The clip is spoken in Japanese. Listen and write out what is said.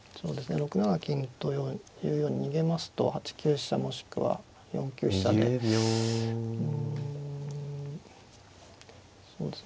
６七金というように逃げますと８九飛車もしくは４九飛車でうんそうですね。